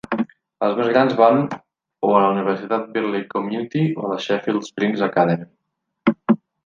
Els més grans van o a la Universitat Birley Community o a la Sheffield Springs Academy.